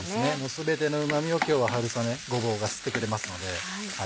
全てのうま味を今日は春雨ごぼうが吸ってくれますので。